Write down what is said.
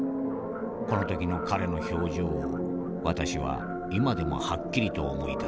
この時の彼の表情を私は今でもはっきりと思い出す。